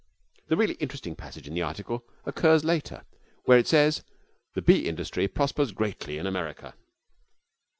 The really interesting passage in the article occurs later, where it says: 'The bee industry prospers greatly in America.'